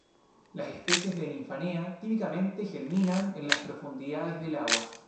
Las especies de "Nymphaea" típicamente germinan en las profundidades del agua.